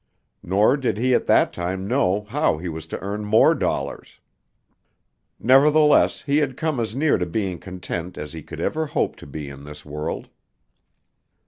Nor did he at that time know how he was to earn more dollars. Nevertheless he had come as near to be being content as he could ever hope to be in this world.